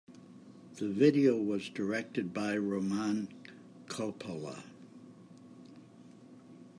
The video was directed by Roman Coppola.